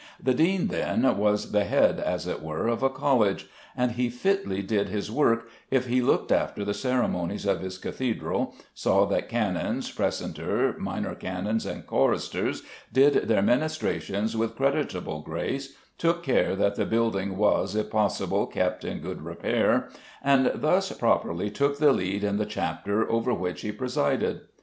The dean then was the head, as it were, of a college, and he fitly did his work if he looked after the ceremonies of his cathedral, saw that canons, precentor, minor canons and choristers, did their ministrations with creditable grace, took care that the building was, if possible, kept in good repair, and thus properly took the lead in the chapter over which he presided.